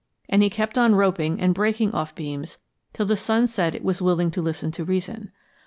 And he kept on roping and breaking off beams till the sun said it was willing to listen to reason.